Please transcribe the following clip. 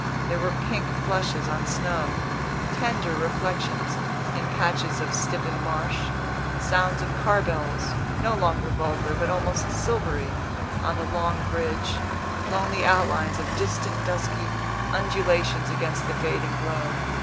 There were pink flushes on snow, "tender" reflexions in patches of stiffened marsh, sounds of car bells, no longer vulgar, but almost silvery, on the long bridge, lonely outlines of distant dusky undulations against the fading glow.